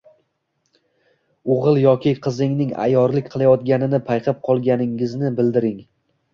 O‘g‘il yoki qizingizning ayyorlik qilayotganini payqab qolganingizni bildiring.